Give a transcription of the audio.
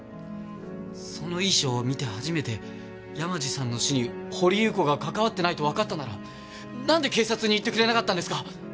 その遺書を見て初めて山路さんの死に掘祐子が関わってないとわかったならなんで警察に言ってくれなかったんですか？